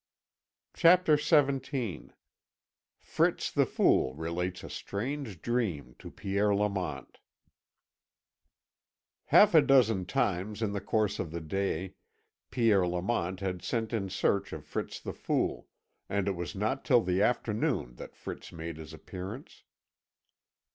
CHAPTER XVII FRITZ THE FOOL RELATES A STRANGE DREAM TO PIERRE LAMONT Half a dozen times in the course of the day Pierre Lamont had sent in search of Fritz the Fool, and it was not till the afternoon that Fritz made his appearance.